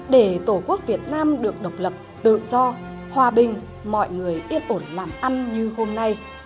để tổ quốc việt nam được độc lập tự do hòa bình mọi người yên ổn làm ăn như hôm nay